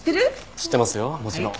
知ってますよもちろん。